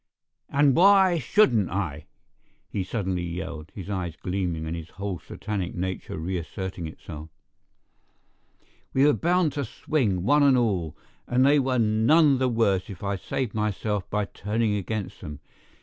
"And why shouldn't I?" he suddenly yelled, his eyes gleaming and his whole satanic nature reasserting itself. "We were bound to swing, one and all, and they were none the worse if I saved myself by turning against them.